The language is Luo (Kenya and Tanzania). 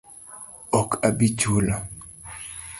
Ok abi chulo